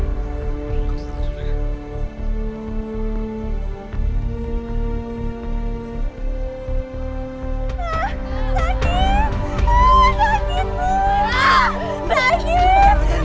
maaf aku pakai jodoh dulu sono